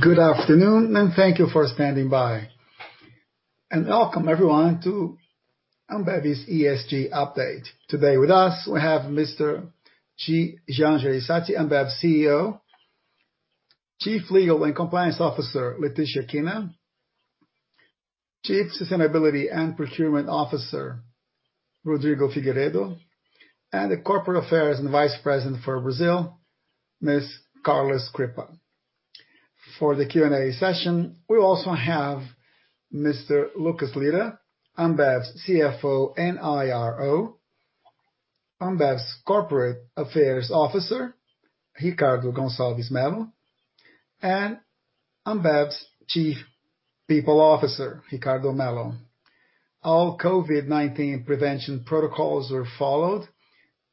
Good afternoon, and thank you for standing by. Welcome everyone to Ambev's ESG update. Today with us we have Mr. Jean Jereissati, Ambev CEO, Chief Legal, Ethics and Compliance Officer, Leticia Kina, Chief Sustainability and Procurement Officer, Rodrigo Figueiredo, and the Corporate Affairs and Vice President for Brazil, Ms. Carla Crippa. For the Q&A session, we also have Mr. Lucas Lira, Ambev's CFO and IRO, Ambev's Corporate Affairs Officer, Ricardo Gonçalves Melo, and Ambev's Chief People Officer, Ricardo Melo. All COVID-19 prevention protocols were followed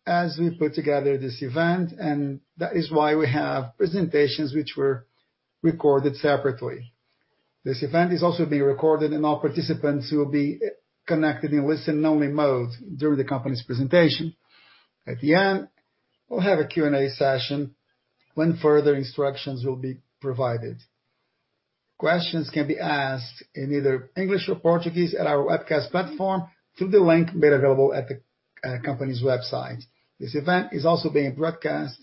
as we put together this event, and that is why we have presentations which were recorded separately. This event is also being recorded, and all participants will be connected and listen-only mode during the company's presentation. At the end, we'll have a Q&A session when further instructions will be provided. Questions can be asked in either English or Portuguese at our webcast platform through the link made available at the company's website. This event is also being broadcast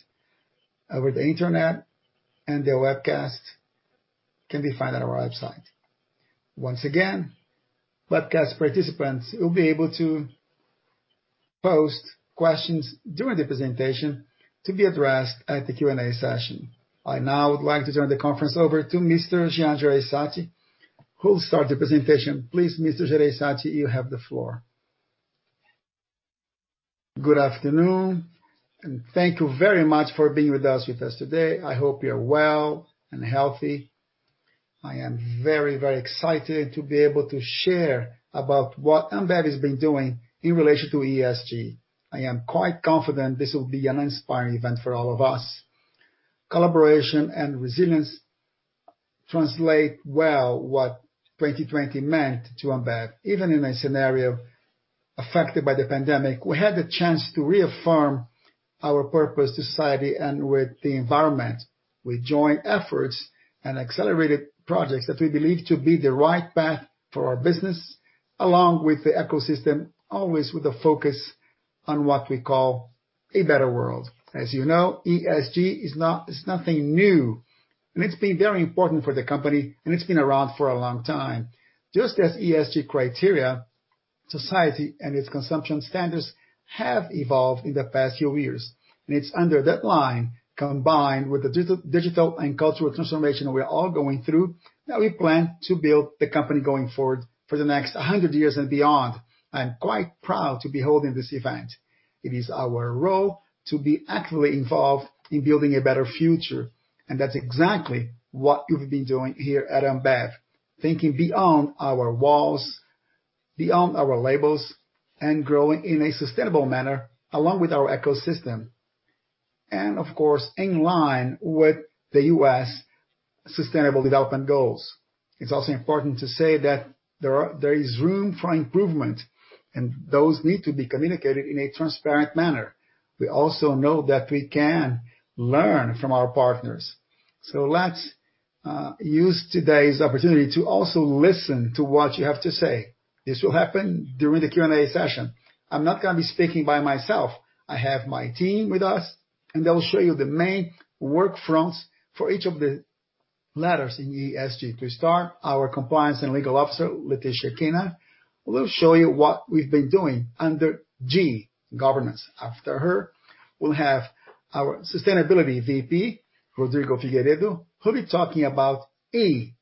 over the internet, and the webcast can be found at our website. Once again, webcast participants will be able to post questions during the presentation to be addressed at the Q&A session. I now would like to turn the conference over to Mr. Jean Jereissati, who'll start the presentation. Please, Mr. Jereissati, you have the floor. Good afternoon, and thank you very much for being with us today. I hope you're well and healthy. I am very excited to be able to share about what Ambev has been doing in relation to ESG. I am quite confident this will be an inspiring event for all of us. Collaboration and resilience translate well what 2020 meant to Ambev. Even in a scenario affected by the pandemic, we had the chance to reaffirm our purpose to society and with the environment. We joined efforts and accelerated projects that we believe to be the right path for our business, along with the ecosystem, always with a focus on what we call a better world. As you know, ESG is nothing new, and it's been very important for the company, and it's been around for a long time. Just as ESG criteria, society, and its consumption standards have evolved in the past few years, and it's under that line, combined with the digital and cultural transformation we're all going through, that we plan to build the company going forward for the next 100 years and beyond. I'm quite proud to be holding this event. It is our role to be actively involved in building a better future, and that's exactly what we've been doing here at Ambev. Thinking beyond our walls, beyond our labels, growing in a sustainable manner along with our ecosystem. Of course, in line with the UN Sustainable Development Goals. It's also important to say that there is room for improvement, and those need to be communicated in a transparent manner. We also know that we can learn from our partners. Let's use today's opportunity to also listen to what you have to say. This will happen during the Q&A session. I'm not going to be speaking by myself. I have my team with us, and they'll show you the main work fronts for each of the letters in ESG. Our Compliance and Legal Officer, Leticia Kina, will show you what we've been doing under G, governance. We'll have our Sustainability VP, Rodrigo Figueiredo, who'll be talking about E.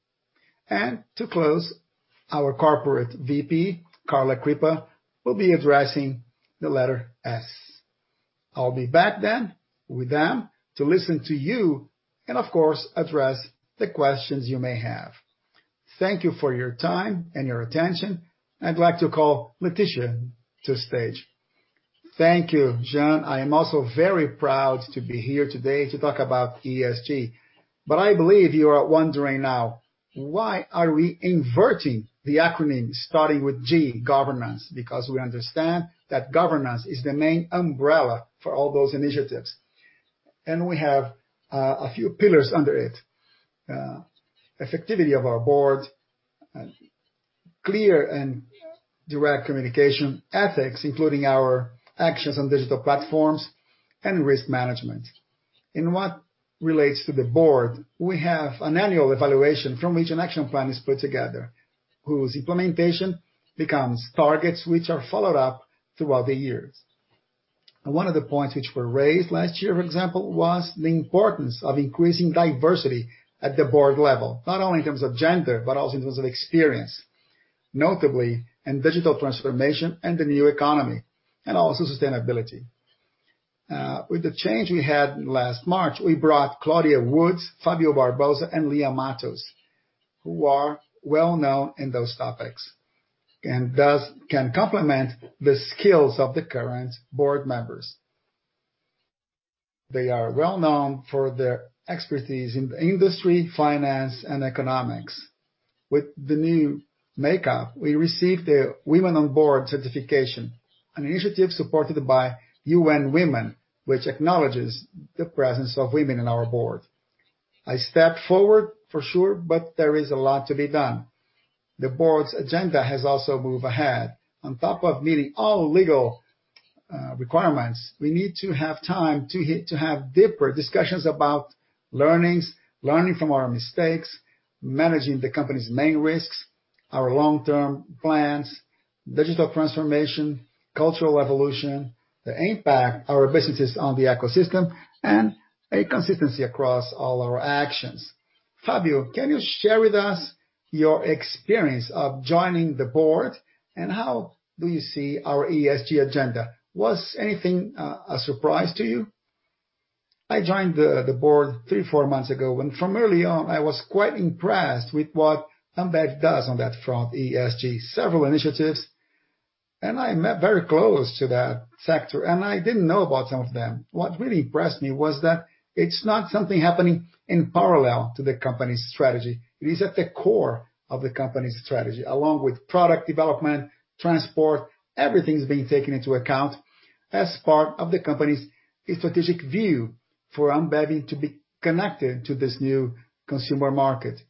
To close, our Corporate VP, Carla Crippa, will be addressing the letter S. I'll be back then with them to listen to you and, of course, address the questions you may have. Thank you for your time and your attention. I'd like to call Leticia to stage. Thank you, Jean. I am also very proud to be here today to talk about ESG. I believe you are wondering now, why are we inverting the acronym, starting with G, governance? We understand that governance is the main umbrella for all those initiatives, and we have a few pillars under it. Effectivity of our board, clear and direct communication, ethics, including our actions on digital platforms, and risk management. In what relates to the board, we have an annual evaluation from which an action plan is put together, whose implementation becomes targets which are followed up throughout the years. One of the points which were raised last year, for example, was the importance of increasing diversity at the board level, not only in terms of gender, but also in terms of experience, notably in digital transformation and the new economy, and also sustainability. With the change we had last March, we brought Claudia Woods, Fabio Barbosa, and Lia Matos, who are well-known in those topics, and thus can complement the skills of the current board members. They are well-known for their expertise in the industry, finance, and economics. With the new makeup, we received the Women on Board certification, an initiative supported by UN Women, which acknowledges the presence of women on our board. A step forward, for sure, but there is a lot to be done. The board's agenda has also moved ahead. On top of meeting all legal requirements, we need to have time to have deeper discussions about learnings, learning from our mistakes, managing the company's main risks, our long-term plans, digital transformation, cultural evolution, the impact our business has on the ecosystem, and a consistency across all our actions. Fabio, can you share with us your experience of joining the board and how you see our ESG agenda? Was anything a surprise to you? I joined the board three, four months ago, and from early on, I was quite impressed with what Ambev does on that front, ESG. Several initiatives, and I'm very close to that sector, and I didn't know about some of them. What really impressed me was that it's not something happening in parallel to the company's strategy. It is at the core of the company's strategy. Along with product development, transport, everything is being taken into account as part of the company's strategic view for Ambev to be connected to this new consumer market.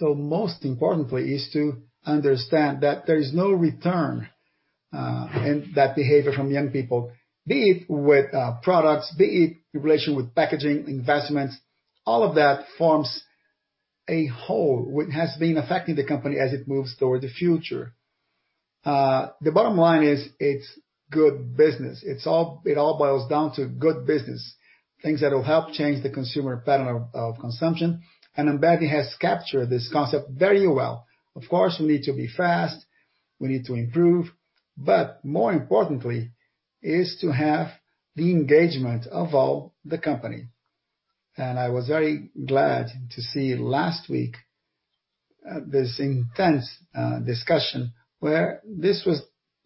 Most importantly is to understand that there's no return in that behavior from young people, be it with products, be it relation with packaging, investments, all of that forms a whole, what has been affecting the company as it moves toward the future. The bottom line is it's good business. It all boils down to good business, things that will help change the consumer pattern of consumption. Ambev has captured this concept very well. Of course, we need to be fast, we need to improve. More importantly is to have the engagement of all the company. I was very glad to see last week this intense discussion where this was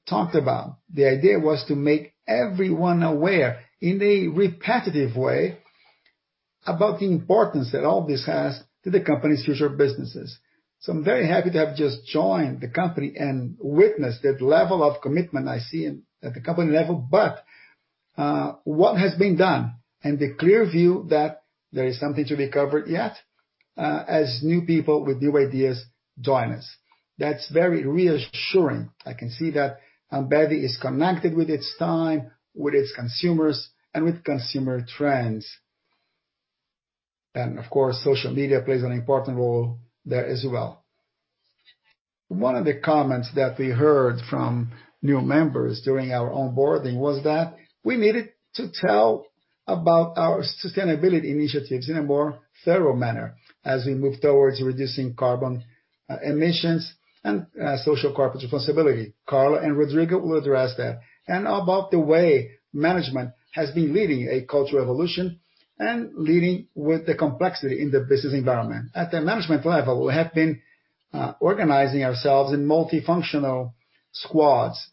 talked about. The idea was to make everyone aware in a repetitive way about the importance that all this has to the company's future businesses. I'm very happy to have just joined the company and witnessed that level of commitment I see at the company level, but what has been done and the clear view that there is something to be covered yet as new people with new ideas join us. That's very reassuring. I can see that Ambev is connected with its time, with its consumers, and with consumer trends. Of course, social media plays an important role there as well. One of the comments that we heard from new members during our onboarding was that we needed to tell about our sustainability initiatives in a more thorough manner as we move towards reducing carbon emissions and social corporate responsibility. Carla and Rodrigo will address that. About the way management has been leading a cultural evolution and leading with the complexity in the business environment. At the management level, we have been organizing ourselves in multifunctional squads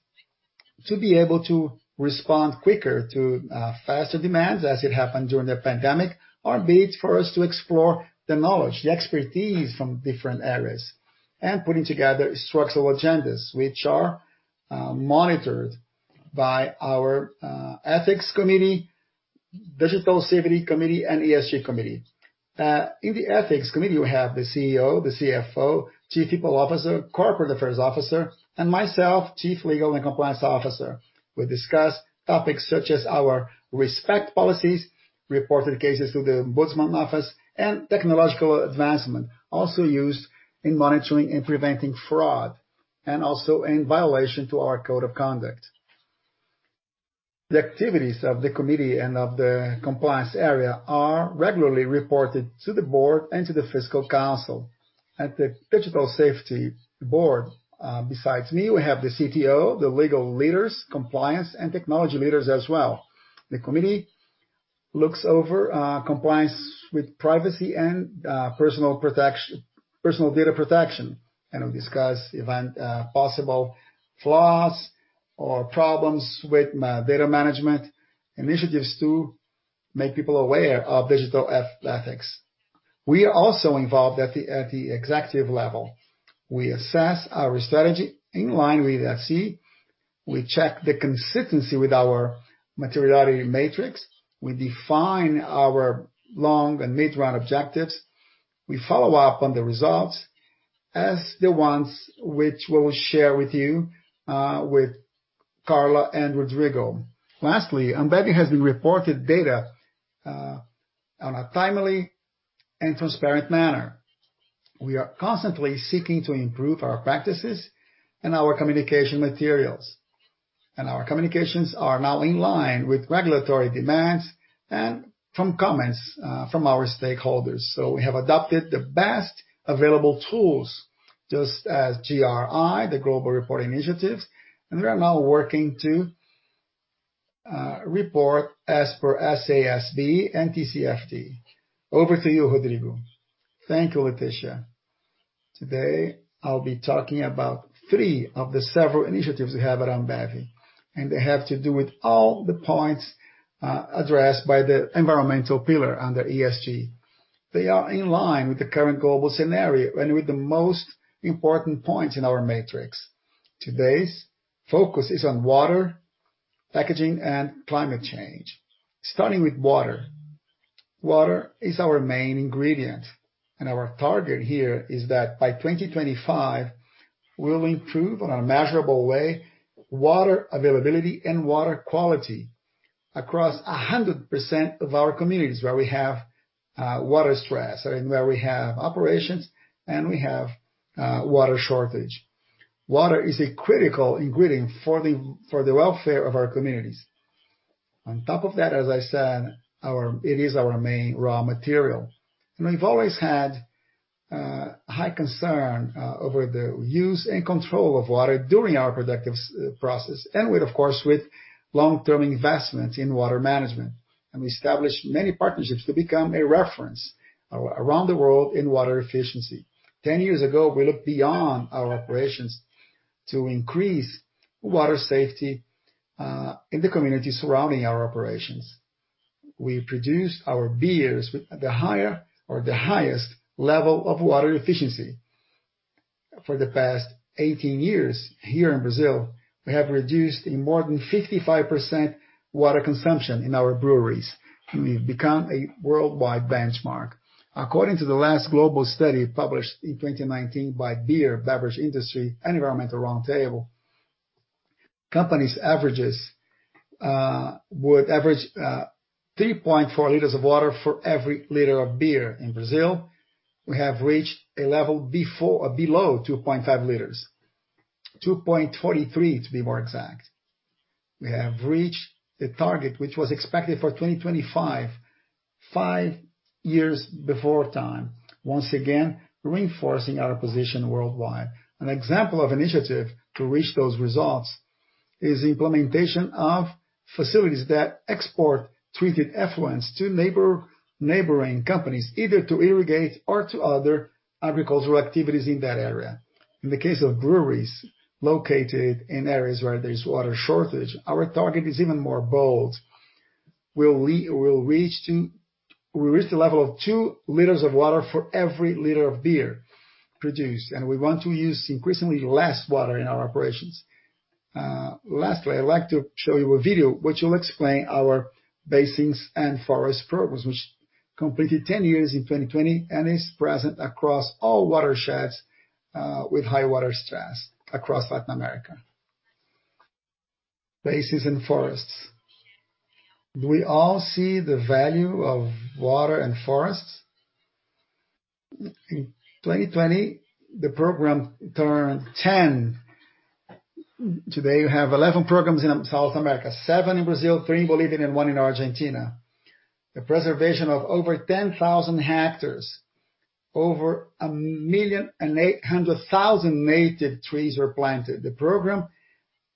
to be able to respond quicker to faster demands as it happened during the pandemic, or be it for us to explore the knowledge, the expertise from different areas, and putting together structural agendas, which are monitored by our Ethics Committee, Digital Safety Committee, and ESG Committee. In the Ethics Committee, we have the CEO, the CFO, Chief People Officer, Corporate Affairs Officer, and myself, Chief Legal and Compliance Officer. We discuss topics such as our respect policies, reported cases to the ombudsman office, and technological advancement, also used in monitoring and preventing fraud, and also in violation to our code of conduct. The activities of the committee and of the compliance area are regularly reported to the board and to the fiscal council. At the digital safety board, besides me, we have the CTO, the legal leaders, compliance, and technology leaders as well. The committee looks over compliance with privacy and personal data protection, and we discuss even possible flaws or problems with data management initiatives to make people aware of digital ethics. We are also involved at the executive level. We assess our strategy in line with the FC, we check the consistency with our materiality matrix, we define our long and mid-run objectives, we follow up on the results as the ones which we'll share with you, with Carla and Rodrigo. Lastly, Ambev has reported data in a timely and transparent manner. We are constantly seeking to improve our practices and our communication materials. Our communications are now in line with regulatory demands and from comments from our stakeholders. We have adopted the best available tools, just as GRI, the Global Reporting Initiative, and we are now working to report as per SASB and TCFD. Over to you, Rodrigo. Thank you, Leticia. Today, I'll be talking about three of the several initiatives we have at Ambev. They have to do with all the points addressed by the environmental pillar under ESG. They are in line with the current global scenario and with the most important points in our matrix. Today's focus is on water, packaging, and climate change. Starting with water. Water is our main ingredient, and our target here is that by 2025, we'll improve in a measurable way water availability and water quality across 100% of our communities where we have water stress and where we have operations and we have water shortage. Water is a critical ingredient for the welfare of our communities. On top of that, as I said, it is our main raw material. We've always had a high concern over the use and control of water during our productive process, and with, of course, with long-term investment in water management. We established many partnerships to become a reference around the world in water efficiency. 10 years ago, we looked beyond our operations to increase water safety in the communities surrounding our operations. We produce our beers with the highest level of water efficiency. For the past 18 years here in Brazil, we have reduced in more than 55% water consumption in our breweries, and we've become a worldwide benchmark. According to the last global study published in 2019 by Beverage Industry Environmental Roundtable, companies would average 3.4 liters of water for every liter of beer. In Brazil, we have reached a level below 2.5 liters, 2.23 to be more exact. We have reached the target, which was expected for 2025, five years before time, once again, reinforcing our position worldwide. An example of initiative to reach those results is the implementation of facilities that export treated effluents to neighboring companies, either to irrigate or to other agricultural activities in that area. In the case of breweries located in areas where there's water shortage, our target is even bolder. We'll reach the level of 2 liters of water for every liter of beer produced, and we want to use increasingly less water in our operations. Lastly, I'd like to show you a video which will explain our Basins and Forests programs, which completed 10 years in 2020 and is present across all watersheds with high water stress across Latin America. Basins and Forests. Do we all see the value of water and forests? In 2020, the program turned 10. Today, we have 11 programs in South America, seven in Brazil, three in Bolivia, and 1 in Argentina. The preservation of over 10,000 hectares, over 1,800,000 native trees were planted. The program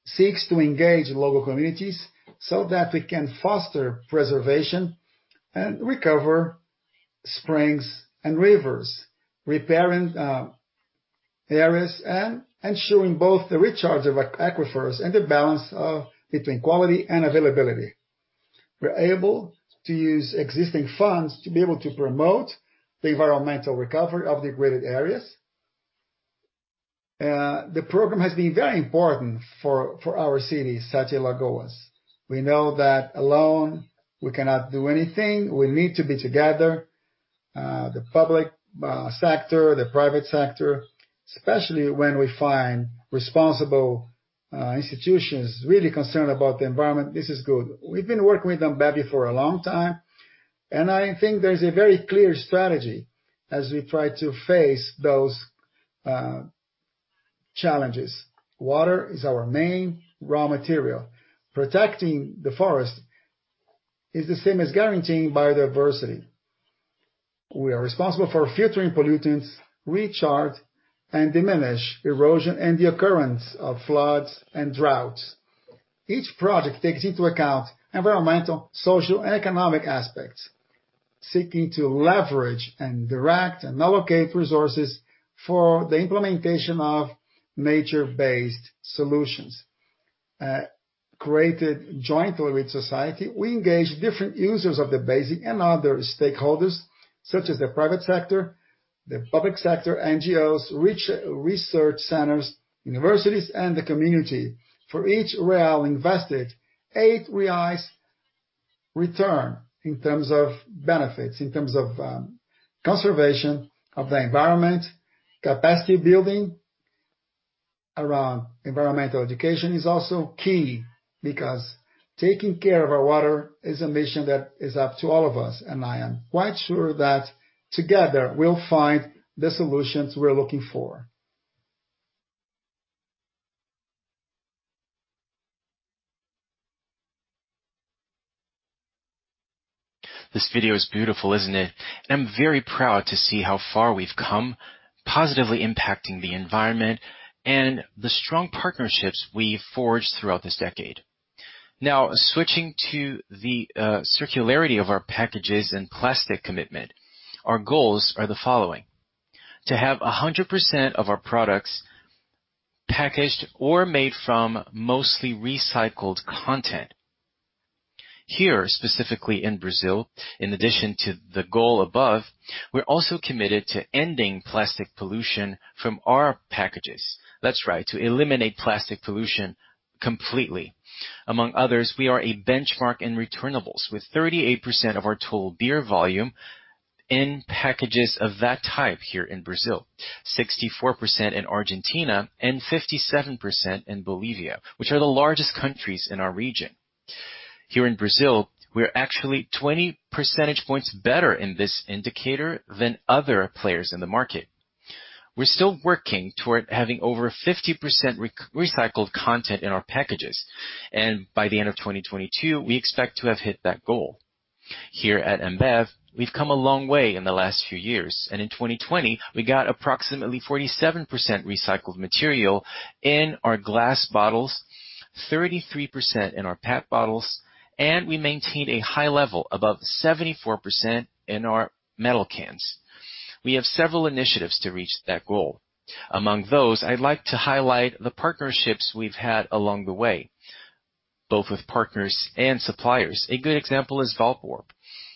seeks to engage local communities so that they can foster preservation and recover springs and rivers, repairing areas and ensuring both the recharge of aquifers and the balance between quality and availability. We're able to use existing funds to be able to promote the environmental recovery of degraded areas. The program has been very important for our cities, such as Sete Lagoas. We know that alone we cannot do anything. We need to be together, the public sector, the private sector, especially when we find responsible institutions really concerned about the environment. This is good. We've been working with Ambev for a long time, I think there's a very clear strategy as we try to face those challenges. Water is our main raw material. Protecting the forest is the same as guaranteeing biodiversity. We are responsible for filtering pollutants, recharge, and diminish erosion and the occurrence of floods and droughts. Each project takes into account environmental, social, and economic aspects, seeking to leverage and direct and allocate resources for the implementation of nature-based solutions. Created jointly with society, we engage different users of the basin and other stakeholders, such as the private sector, the public sector, NGOs, research centers, universities, and the community. For each BRL 1 invested, 8 reais return in terms of benefits, in terms of conservation of the environment. Capacity building around environmental education is also key because taking care of our water is a mission that is up to all of us. I am quite sure that together we'll find the solutions we're looking for. This video is beautiful, isn't it? I'm very proud to see how far we've come, positively impacting the environment, and the strong partnerships we forged throughout this decade. Switching to the circularity of our packages and plastic commitment, our goals are the following, to have 100% of our products packaged or made from mostly recycled content. Here, specifically in Brazil, in addition to the goal above, we're also committed to ending plastic pollution from our packages. That's right, to eliminate plastic pollution completely. Among others, we are a benchmark in returnables with 38% of our total beer volume in packages of that type here in Brazil, 64% in Argentina, and 57% in Bolivia, which are the largest countries in our region. Here in Brazil, we're actually 20 percentage points better in this indicator than other players in the market. We're still working toward having over 50% recycled content in our packages, and by the end of 2022, we expect to have hit that goal. Here at Ambev, we've come a long way in the last few years, and in 2020, we got approximately 47% recycled material in our glass bottles, 33% in our PET bottles, and we maintained a high level, above 74%, in our metal cans. We have several initiatives to reach that goal. Among those, I'd like to highlight the partnerships we've had along the way, both with partners and suppliers. A good example is Valgroup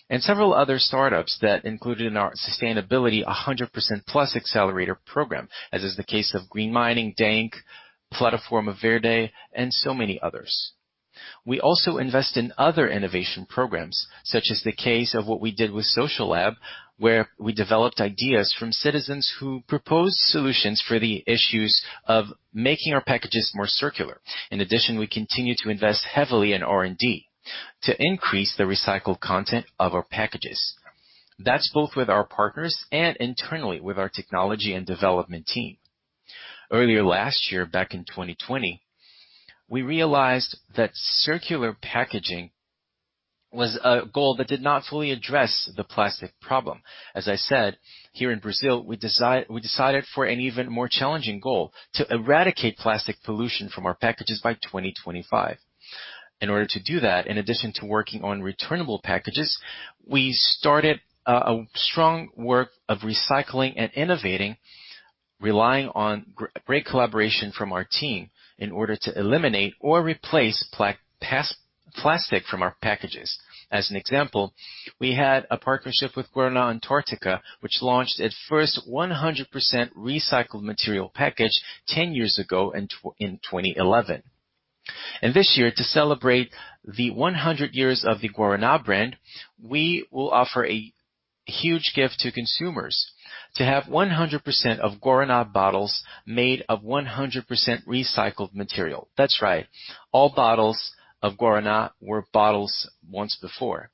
and several other startups that included in our sustainability 100+ Sustainability Accelerator program, as is the case of Green Mining, Deink, Plataforma Verde, and so many others. We also invest in other innovation programs, such as the case of what we did with Socialab, where we developed ideas from citizens who proposed solutions for the issues of making our packages more circular. In addition, we continue to invest heavily in R&D to increase the recycled content of our packages. That's both with our partners and internally with our technology and development team. Earlier last year, back in 2020, we realized that circular packaging was a goal that did not fully address the plastic problem. As I said, here in Brazil, we decided for an even more challenging goal, to eradicate plastic pollution from our packages by 2025. In order to do that, in addition to working on returnable packages, we started a strong work of recycling and innovating, relying on great collaboration from our team in order to eliminate or replace plastic from our packages. As an example, we had a partnership with Guaraná Antarctica, which launched its first 100% recycled material package 10 years ago in 2011. This year, to celebrate the 100 years of the Guaraná brand, we will offer a huge gift to consumers to have 100% of Guaraná bottles made of 100% recycled material. That's right, all bottles of Guaraná were bottles once before.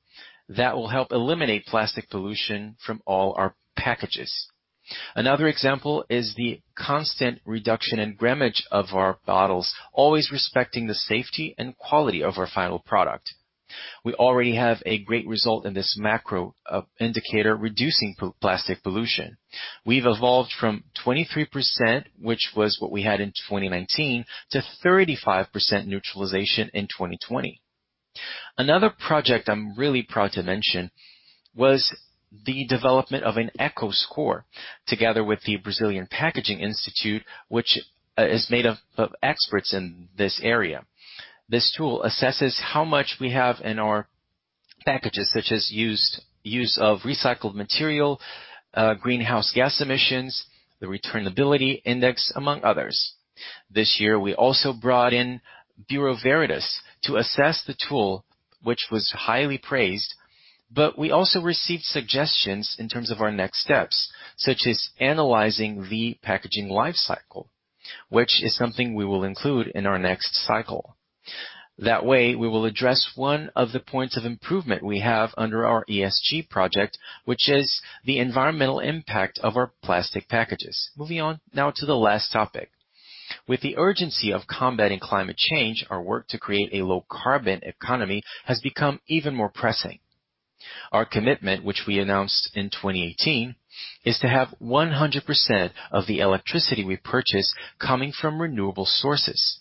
That will help eliminate plastic pollution from all our packages. Another example is the constant reduction in grammage of our bottles, always respecting the safety and quality of our final product. We already have a great result in this macro indicator, reducing plastic pollution. We've evolved from 23%, which was what we had in 2019, to 35% neutralization in 2020. Another project I'm really proud to mention was the development of an Eco Score together with the Brazilian Packaging Institute, which is made of experts in this area. This tool assesses how much we have in our packages, such as use of recycled material, greenhouse gas emissions, the returnability index, among others. This year, we also brought in Bureau Veritas to assess the tool, which was highly praised. We also received suggestions in terms of our next steps, such as analyzing the packaging life cycle, which is something we will include in our next cycle. That way, we will address one of the points of improvement we have under our ESG project, which is the environmental impact of our plastic packages. Moving on now to the last topic. With the urgency of combating climate change, our work to create a low carbon economy has become even more pressing. Our commitment, which we announced in 2018, is to have 100% of the electricity we purchase coming from renewable sources.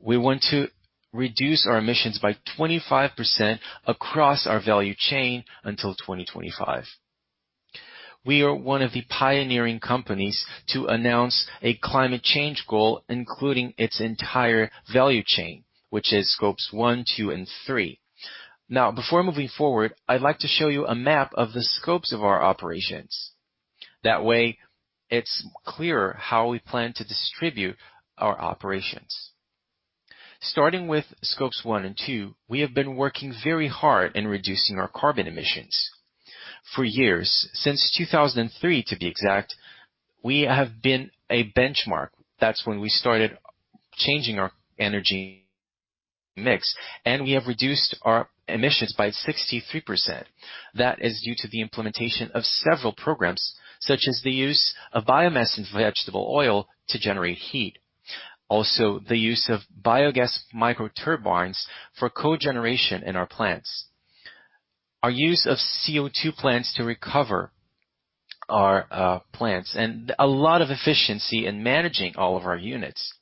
We want to reduce our emissions by 25% across our value chain until 2025. We are one of the pioneering companies to announce a climate change goal, including its entire value chain, which is Scopes 1, 2, and 3. Before moving forward, I'd like to show you a map of the scopes of our operations. That way, it's clearer how we plan to distribute our operations. Starting with Scopes 1 and 2, we have been working very hard in reducing our carbon emissions. For years, since 2003 to be exact, we have been a benchmark. That's when we started changing our energy mix, and we have reduced our emissions by 63%. That is due to the implementation of several programs, such as the use of biomass and vegetable oil to generate heat. The use of biogas microturbines for co-generation in our plants. Our use of CO2 plants to recover our plants, and a lot of efficiency in managing all of our units.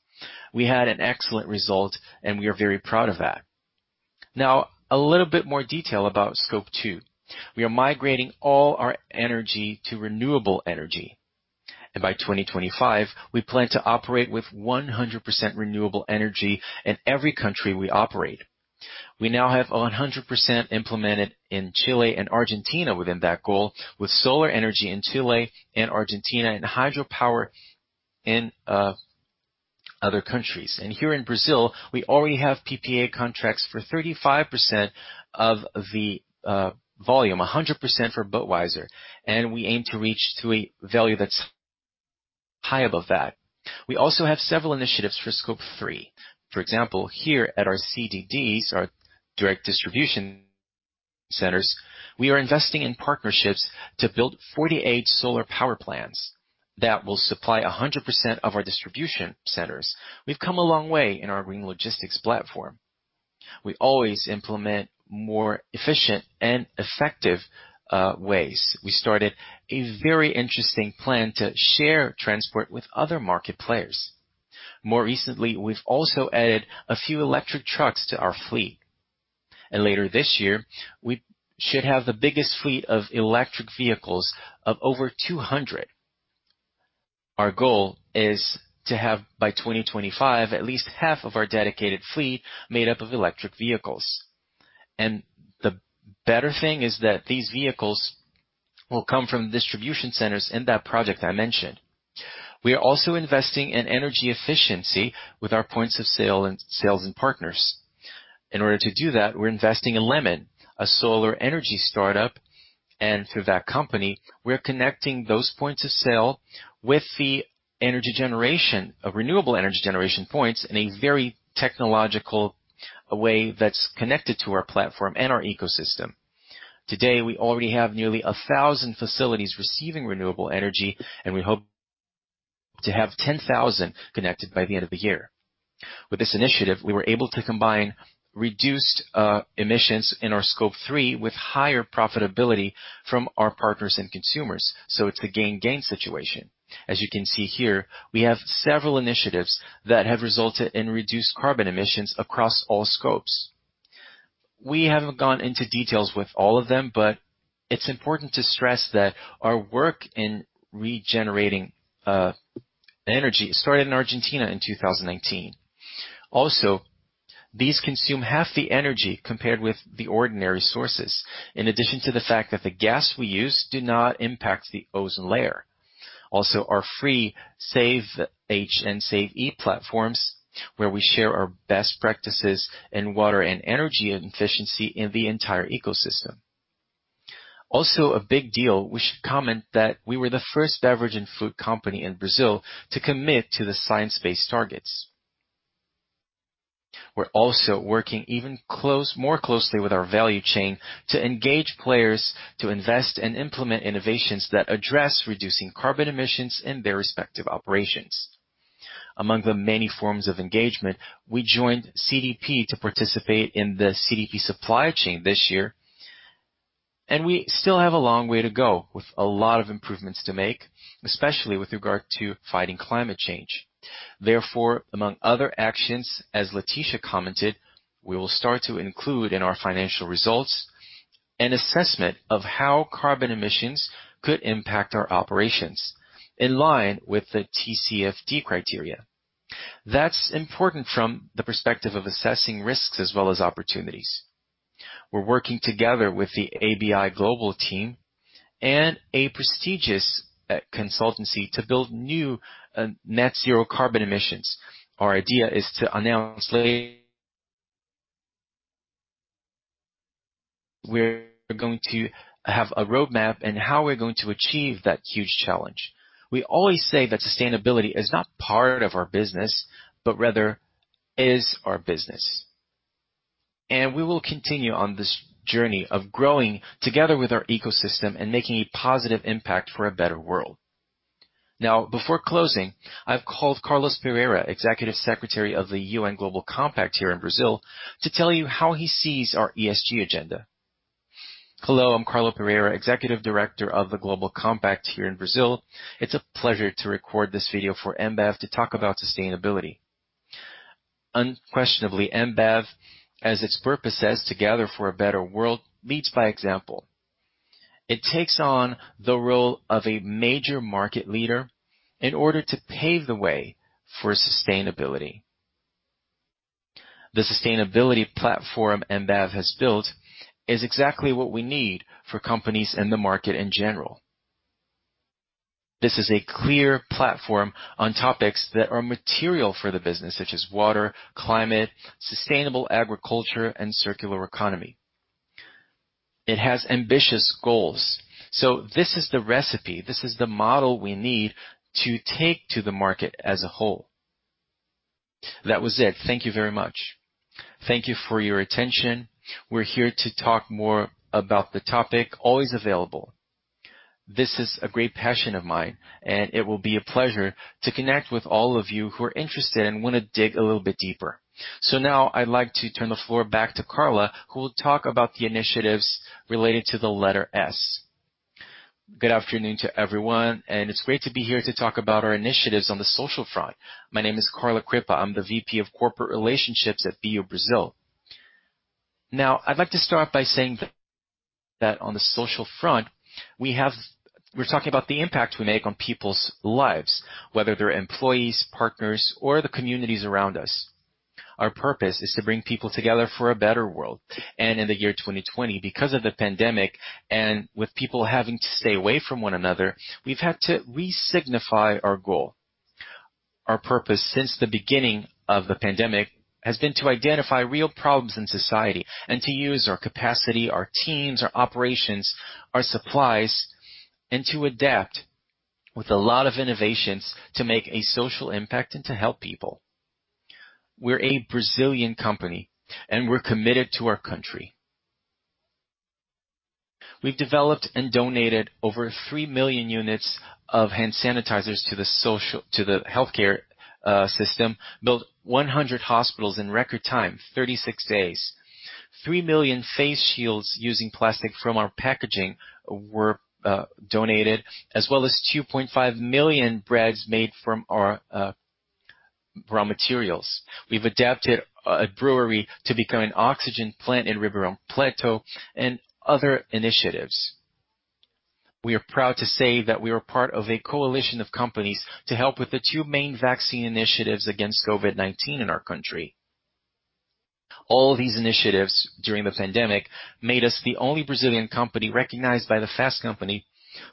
We had an excellent result, we are very proud of that. A little bit more detail about Scope 2. We are migrating all our energy to renewable energy, by 2025, we plan to operate with 100% renewable energy in every country we operate. We now have 100% implemented in Chile and Argentina within that goal, with solar energy in Chile and Argentina and hydropower in other countries. Here in Brazil, we already have PPA contracts for 35% of the volume, 100% for Budweiser, and we aim to reach to a value that's high above that. We also have several initiatives for Scope 3. For example, here at our CDDs, our direct distribution centers, we are investing in partnerships to build 48 solar power plants that will supply 100% of our distribution centers. We've come a long way in our green logistics platform. We always implement more efficient and effective ways. We started a very interesting plan to share transport with other market players. More recently, we've also added a few electric trucks to our fleet. Later this year, we should have the biggest fleet of electric vehicles of over 200. Our goal is to have, by 2025, at least half of our dedicated fleet made up of electric vehicles. The better thing is that these vehicles will come from distribution centers in that project I mentioned. We are also investing in energy efficiency with our points of sale and partners. In order to do that, we're investing in Lemon Energia, a solar energy startup, and through that company, we're connecting those points of sale with the renewable energy generation points in a very technological way that's connected to our platform and our ecosystem. Today, we already have nearly 1,000 facilities receiving renewable energy, and we hope to have 10,000 connected by the end of the year. With this initiative, we were able to combine reduced emissions in our Scope 3 with higher profitability from our partners and consumers. It's a gain-gain situation. As you can see here, we have several initiatives that have resulted in reduced carbon emissions across all scopes. We haven't gone into details with all of them, but it's important to stress that our work in regenerating energy started in Argentina in 2019. These consume half the energy compared with the ordinary sources, in addition to the fact that the gas we use do not impact the ozone layer. Our free SAVEh and SaveE platforms, where we share our best practices in water and energy efficiency in the entire ecosystem. A big deal, we should comment that we were the first beverage and food company in Brazil to commit to the Science Based Targets. We're also working even more closely with our value chain to engage players to invest and implement innovations that address reducing carbon emissions in their respective operations. Among the many forms of engagement, we joined CDP to participate in the CDP Supply Chain this year, and we still have a long way to go with a lot of improvements to make, especially with regard to fighting climate change. Therefore, among other actions, as Leticia Kina commented, we will start to include in our financial results an assessment of how carbon emissions could impact our operations in line with the TCFD criteria. That's important from the perspective of assessing risks as well as opportunities. We're working together with the ABI global team and a prestigious consultancy to build new net zero carbon emissions. Our idea is to announce we're going to have a roadmap and how we're going to achieve that huge challenge. We always say that sustainability is not part of our business, but rather is our business. We will continue on this journey of growing together with our ecosystem and making a positive impact for a better world. Now, before closing, I've called Carlo Pereira, Executive Secretary of the UN Global Compact here in Brazil, to tell you how he sees our ESG agenda. Hello, I'm Carlo Pereira, Executive Director of the UN Global Compact here in Brazil. It's a pleasure to record this video for Ambev to talk about sustainability. Unquestionably, Ambev, as its purpose says, together for a better world, leads by example. It takes on the role of a major market leader in order to pave the way for sustainability. The sustainability platform Ambev has built is exactly what we need for companies and the market in general. This is a clear platform on topics that are material for the business, such as water, climate, sustainable agriculture, and circular economy. It has ambitious goals. This is the recipe. This is the model we need to take to the market as a whole. That was it. Thank you very much. Thank you for your attention. We're here to talk more about the topic, always available. This is a great passion of mine, and it will be a pleasure to connect with all of you who are interested and want to dig a little bit deeper. I'd like to turn the floor back to Carla, who will talk about the initiatives related to the letter S. Good afternoon to everyone, it's great to be here to talk about our initiatives on the social front. My name is Carla Crippa. I'm the VP of corporate relationships at AB InBev Brazil. I'd like to start by saying that on the social front, we're talking about the impact we make on people's lives, whether they're employees, partners, or the communities around us. Our purpose is to bring people together for a better world. In the year 2020, because of the pandemic, and with people having to stay away from one another, we've had to re-signify our goal. Our purpose since the beginning of the pandemic has been to identify real problems in society and to use our capacity, our teams, our operations, our supplies, and to adapt with a lot of innovations to make a social impact and to help people. We're a Brazilian company, and we're committed to our country. We've developed and donated over 3 million units of hand sanitizers to the healthcare system, built 100 hospitals in record time, 36 days. 3 million face shields using plastic from our packaging were donated, as well as 2.5 million brags made from our raw materials. We've adapted a brewery to become an oxygen plant in Ribeirão Preto and other initiatives. We are proud to say that we are part of a coalition of companies to help with the two main vaccine initiatives against COVID-19 in our country. All these initiatives during the pandemic made us the only Brazilian company recognized by the Fast Company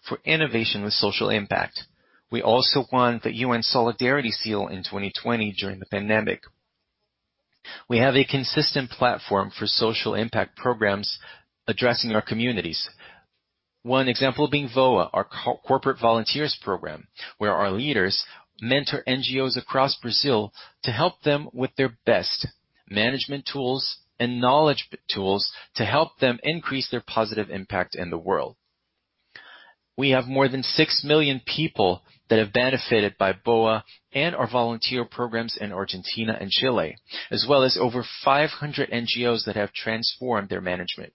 for innovation with social impact. We also won the UN Solidarity Seal in 2020 during the pandemic. We have a consistent platform for social impact programs addressing our communities. One example being VOA, our corporate volunteers program, where our leaders mentor NGOs across Brazil to help them with their best management tools and knowledge tools to help them increase their positive impact in the world. We have more than 6 million people that have benefited by VOA and our volunteer programs in Argentina and Chile, as well as over 500 NGOs that have transformed their management.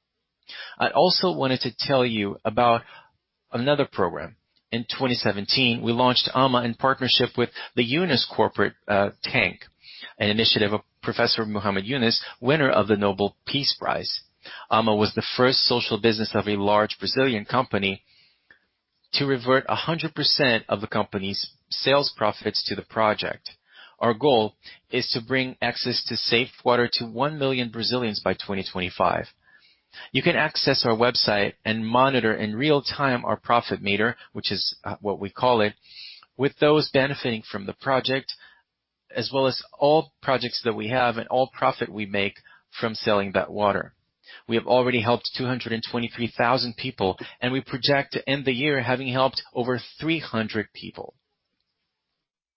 I also wanted to tell you about another program. In 2017, we launched AMA in partnership with the Yunus Corporate Action Tank, an initiative of Professor Muhammad Yunus, winner of the Nobel Peace Prize. AMA was the first social business of a large Brazilian company to revert 100% of the company's sales profits to the project. Our goal is to bring access to safe water to 1 million Brazilians by 2025. You can access our website and monitor in real time our profit meter, which is what we call it, with those benefiting from the project, as well as all projects that we have and all profit we make from selling that water. We have already helped 223,000 people, and we project to end the year having helped over 300 people.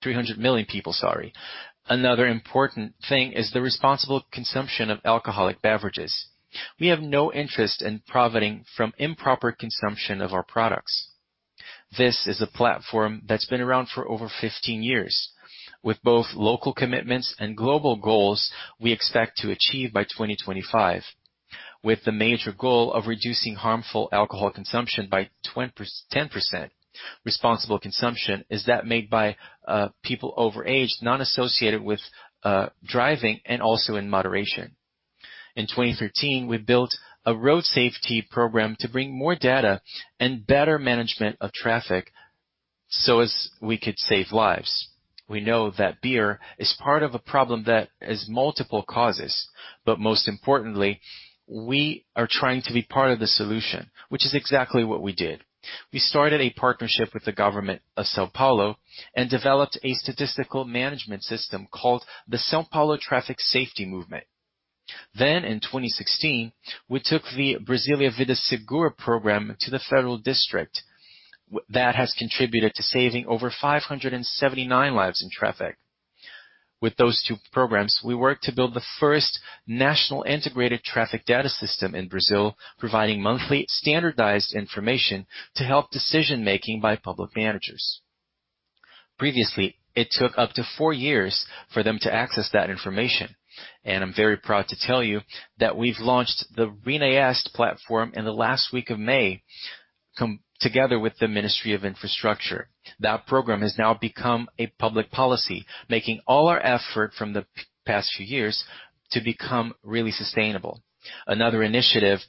300 million people, sorry. Another important thing is the responsible consumption of alcoholic beverages. We have no interest in profiting from improper consumption of our products. This is a platform that's been around for over 15 years. With both local commitments and global goals, we expect to achieve by 2025. With the major goal of reducing harmful alcohol consumption by 10%. Responsible consumption is that made by people overage, not associated with driving and also in moderation. In 2013, we built a road safety program to bring more data and better management of traffic so as we could save lives. We know that beer is part of a problem that has multiple causes, but most importantly, we are trying to be part of the solution, which is exactly what we did. We started a partnership with the government of São Paulo and developed a statistical management system called the São Paulo Traffic Safety Movement. In 2016, we took the Brasília Vida Segura program to the Federal District. That has contributed to saving over 579 lives in traffic. With those two programs, we worked to build the first national integrated traffic data system in Brazil, providing monthly standardized information to help decision-making by public managers. Previously, it took up to four years for them to access that information. I'm very proud to tell you that we've launched the RENAEST platform in the last week of May together with the Ministry of Infrastructure. That program has now become a public policy, making all our effort from the past few years to become really sustainable. Another initiative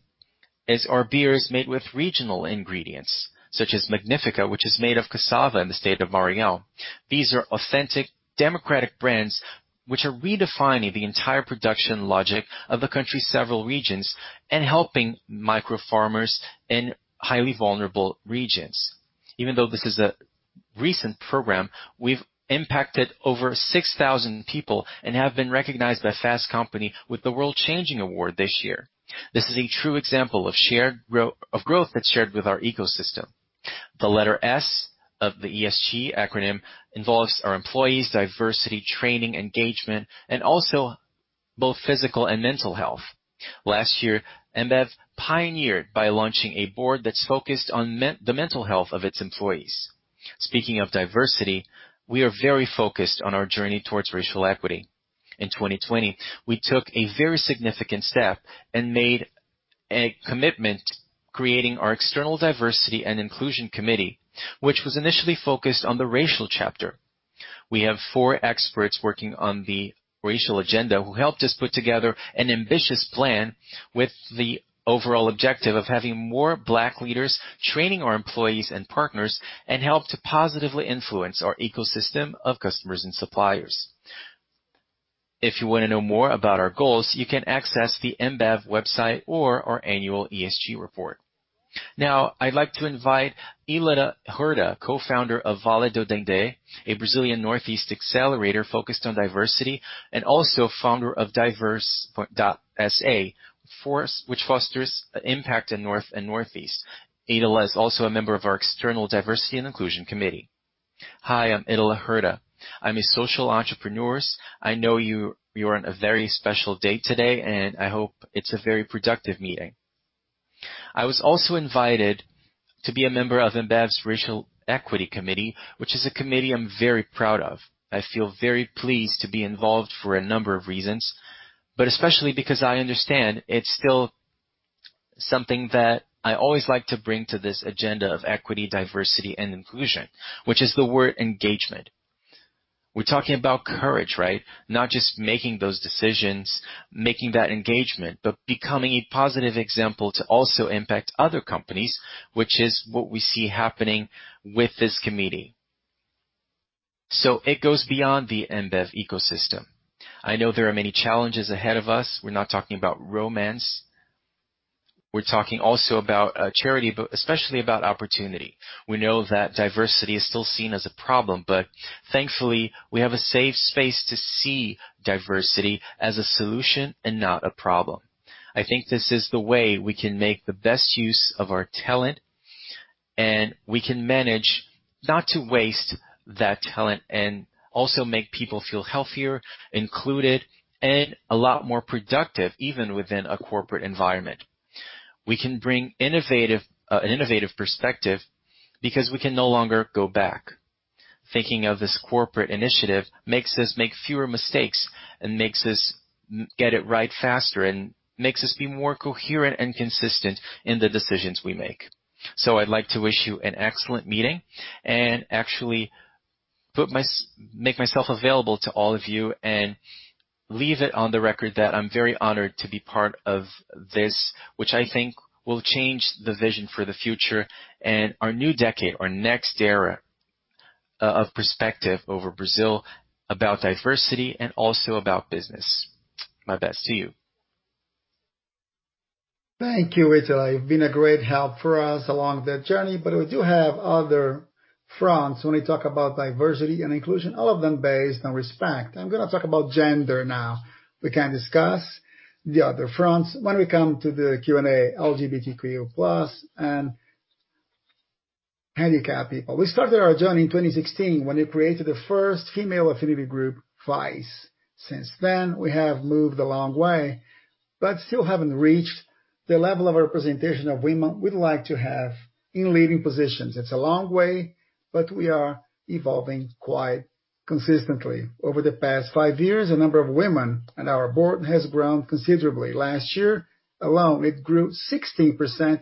is our beers made with regional ingredients, such as Magnífica, which is made of cassava in the state of Maranhão. These are authentic, democratic brands which are redefining the entire production logic of the country's several regions and helping micro farmers in highly vulnerable regions. Even though this is a recent program, we've impacted over 6,000 people and have been recognized by Fast Company with the World Changing Award this year. This is a true example of growth that's shared with our ecosystem. The letter S of the ESG acronym involves our employees' diversity training, engagement, and also both physical and mental health. Last year, Ambev pioneered by launching a board that's focused on the mental health of its employees. Speaking of diversity, we are very focused on our journey towards racial equity. In 2020, we took a very significant step and made a commitment, creating our external diversity and inclusion committee, which was initially focused on the racial chapter. We have four experts working on the racial agenda who helped us put together an ambitious plan with the overall objective of having more Black leaders training our employees and partners, and help to positively influence our ecosystem of customers and suppliers. If you want to know more about our goals, you can access the Ambev website or our annual ESG report. I'd like to invite Ítala Herta, co-founder of Vale do Dendê, a Brazilian Northeast accelerator focused on diversity and also founder of Diversa.sa, which fosters impact in north and northeast. Ítala is also a member of our external diversity and inclusion committee. Hi, I'm Ítala Herta. I'm a social entrepreneur. I know you're on a very special day today, and I hope it's a very productive meeting. I was also invited to be a member of Ambev's Racial Equity Committee, which is a committee I'm very proud of. I feel very pleased to be involved for a number of reasons, but especially because I understand it's still something that I always like to bring to this agenda of equity, diversity, and inclusion, which is the word engagement. We're talking about courage, right? Not just making those decisions, making that engagement, but becoming a positive example to also impact other companies, which is what we see happening with this committee. It goes beyond the Ambev ecosystem. I know there are many challenges ahead of us. We're not talking about romance. We're talking also about charity, but especially about opportunity. We know that diversity is still seen as a problem, but thankfully, we have a safe space to see diversity as a solution and not a problem. I think this is the way we can make the best use of our talent, and we can manage not to waste that talent and also make people feel healthier, included, and a lot more productive, even within a corporate environment. We can bring an innovative perspective because we can no longer go back. Thinking of this corporate initiative makes us make fewer mistakes and makes us get it right faster and makes us be more coherent and consistent in the decisions we make. I'd like to wish you an excellent meeting and actually make myself available to all of you and leave it on the record that I'm very honored to be part of this, which I think will change the vision for the future and our new decade, our next era of perspective over Brazil about diversity and also about business. My best to you. Thank you, Ítala Herta. You've been a great help for us along that journey. We do have other fronts when we talk about diversity and inclusion, all of them based on respect. I'm going to talk about gender now. We can discuss the other fronts when we come to the Q&A, LGBTQ+ and handicapped people. We started our journey in 2016 when we created the first female affinity group, WEISS. Since then, we have moved a long way. Still haven't reached the level of representation of women we'd like to have in leading positions. It's a long way. We are evolving quite consistently. Over the past 5 years, the number of women on our board has grown considerably. Last year alone, it grew 16%,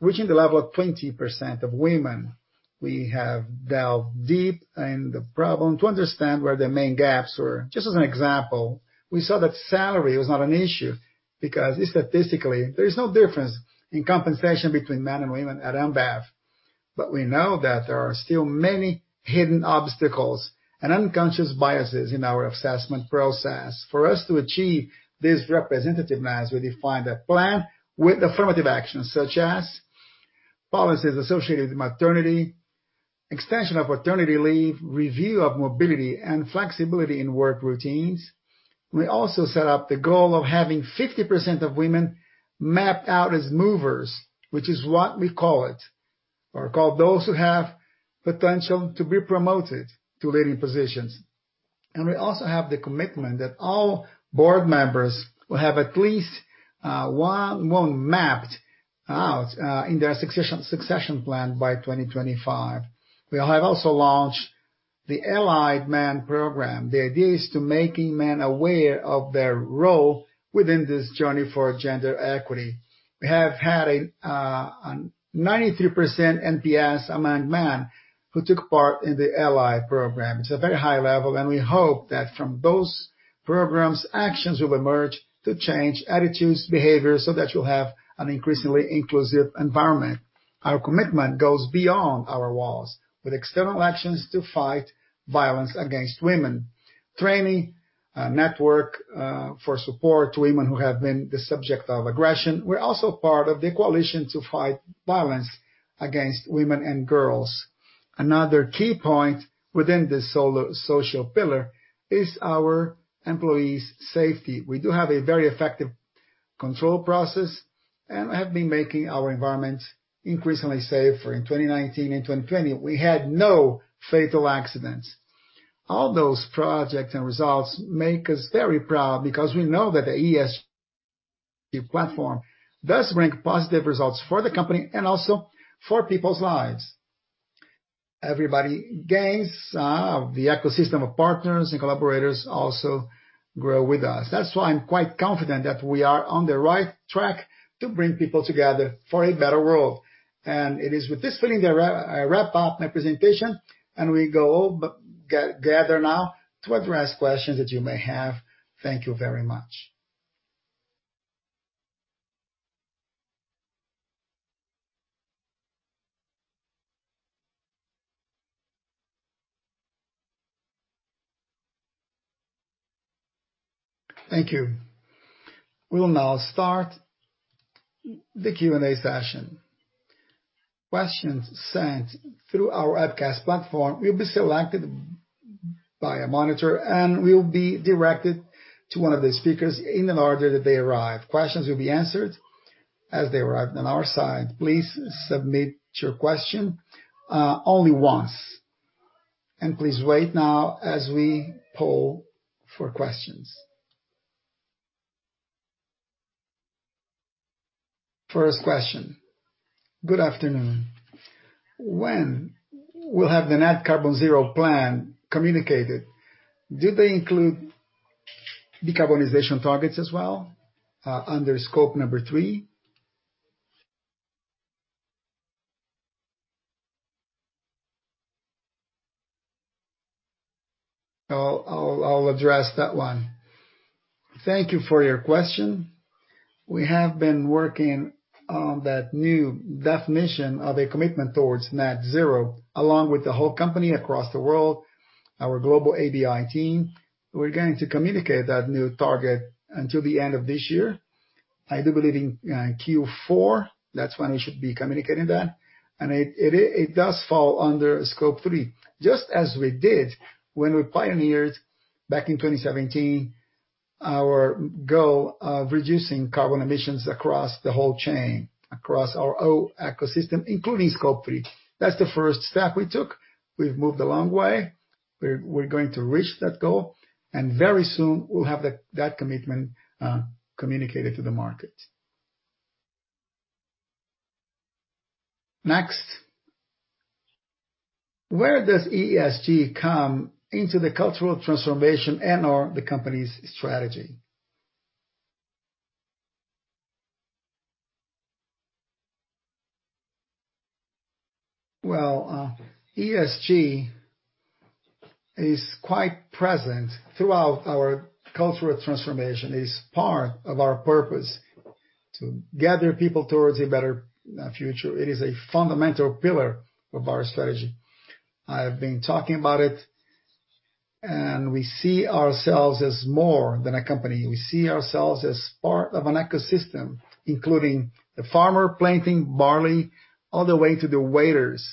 reaching the level of 20% of women. We have delved deep in the problem to understand where the main gaps were. Just as an example, we saw that salary was not an issue because statistically, there is no difference in compensation between men and women at Ambev. We know that there are still many hidden obstacles and unconscious biases in our assessment process. For us to achieve this representativeness, we defined a plan with affirmative actions, such as policies associated with maternity, extension of paternity leave, review of mobility, and flexibility in work routines. We also set up the goal of having 50% of women mapped out as movers, which is what we call it, or call those who have potential to be promoted to leading positions. We also have the commitment that all board members will have at least one mapped out in their succession plan by 2025. We have also launched the Aliado Homem program. The idea is to making men aware of their role within this journey for gender equity. We have had a 93% NPS among men who took part in the Aliado Homem program. It's a very high level. We hope that from those programs, actions will emerge to change attitudes, behaviors, so that you'll have an increasingly inclusive environment. Our commitment goes beyond our walls with external actions to fight violence against women. Training network for support to women who have been the subject of aggression were also part of the coalition to fight violence against women and girls. Another key point within this social pillar is our employees' safety. We do have a very effective control process and have been making our environment increasingly safer. In 2019 and 2020, we had no fatal accidents. All those projects and results make us very proud because we know that the ESG platform does bring positive results for the company and also for people's lives. Everybody gains. The ecosystem of partners and collaborators also grow with us. That's why I'm quite confident that we are on the right track to bring people together for a better world. It is with this feeling that I wrap up my presentation, and we go gather now to address questions that you may have. Thank you very much. Thank you. We'll now start the Q&A session. Questions sent through our webcast platform will be selected by a monitor and will be directed to one of the speakers in the order that they arrive. Questions will be answered as they arrive on our side. Please submit your question only once, and please wait now as we poll for questions. First question. Good afternoon. When will have the net carbon zero plan communicated? Did they include decarbonization targets as well under Scope 3? I'll address that one. Thank you for your question. We have been working on that new definition of a commitment towards net zero, along with the whole company across the world, our global ABI team. We're going to communicate that new target until the end of this year. I do believe in Q4, that's when we should be communicating that. It does fall under Scope 3, just as we did when we pioneered back in 2017, our goal of reducing carbon emissions across the whole chain, across our whole ecosystem, including Scope 3. That's the first step we took. We've moved a long way. We're going to reach that goal, and very soon we'll have that commitment communicated to the market. Next. Where does ESG come into the cultural transformation and/or the company's strategy? Well, ESG is quite present throughout our cultural transformation. It's part of our purpose to gather people towards a better future. It is a fundamental pillar of our strategy. I have been talking about it, and we see ourselves as more than a company. We see ourselves as part of an ecosystem, including the farmer planting barley, all the way to the waiters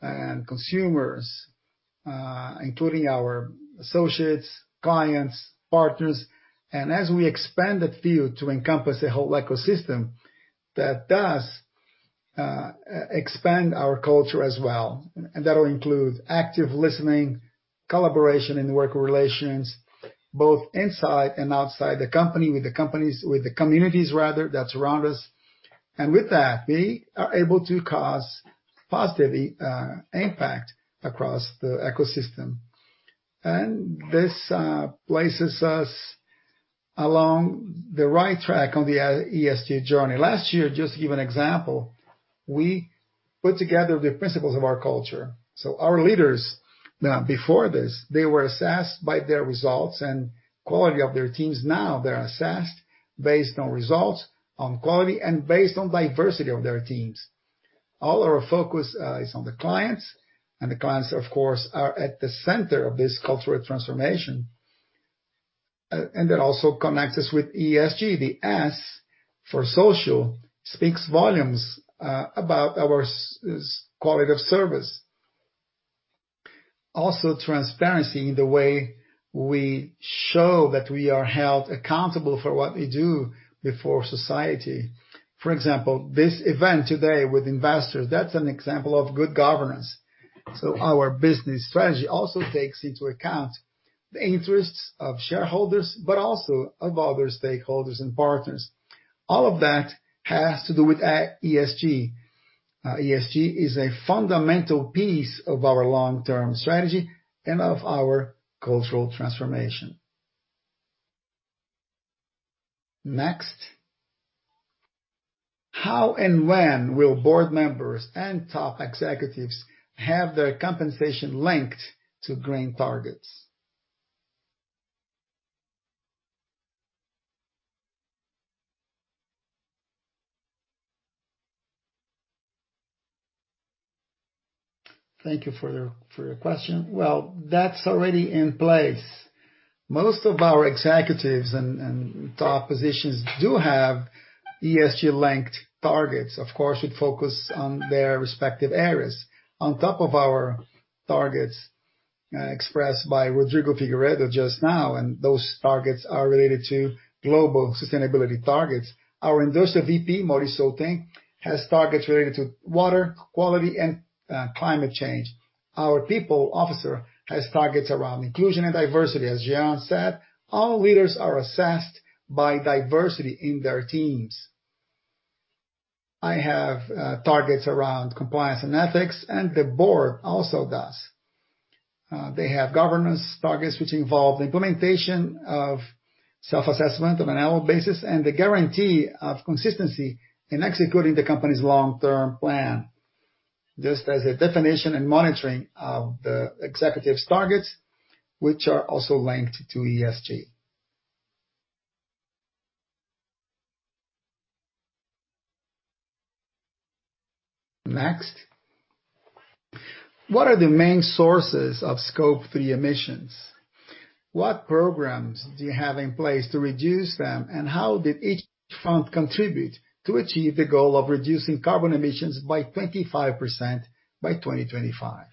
and consumers, including our associates, clients, partners. As we expand that view to encompass the whole ecosystem, that does expand our culture as well. That will include active listening, collaboration in work relations, both inside and outside the company, with the communities that surround us. With that, we are able to cause positive impact across the ecosystem. This places us along the right track on the ESG journey. Last year, just to give an example, we put together the principles of our culture. Our leaders, before this, they were assessed by their results and quality of their teams. Now they're assessed based on results, on quality, and based on diversity of their teams. All our focus is on the clients, and the clients, of course, are at the center of this cultural transformation. It also connects us with ESG. The S, for social, speaks volumes about our quality of service. Transparency in the way we show that we are held accountable for what we do before society. For example, this event today with investors, that's an example of good governance. Our business strategy also takes into account the interests of shareholders, but also of other stakeholders and partners. All of that has to do with ESG. ESG is a fundamental piece of our long-term strategy and of our cultural transformation. Next. How and when will board members and top executives have their compensation linked to green targets? Thank you for your question. Well, that's already in place. Most of our executives in top positions do have ESG-linked targets. Of course, we focus on their respective areas. On top of our targets expressed by Rodrigo Figueiredo just now, those targets are related to global sustainability targets. Our ESG VP, Maurício Souto, has targets related to water quality and climate change. Our people officer has targets around inclusion and diversity. As João said, all leaders are assessed by diversity in their teams. I have targets around compliance and ethics, the board also does. They have governance targets, which involve implementation of self-assessment on an annual basis and the guarantee of consistency in executing the company's long-term plan. Just as the definition and monitoring of the executives' targets, which are also linked to ESG. Next. What are the main sources of Scope 3 emissions? What programs do you have in place to reduce them, and how did each front contribute to achieve the goal of reducing carbon emissions by 25% by 2025?